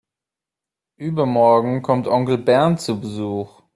Übermorgen kommt Onkel Bernd zu Besuch.